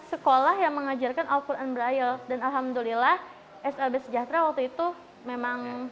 sekolah yang mengajarkan alquran braya dan alhamdulillah slb sejahtera waktu itu memang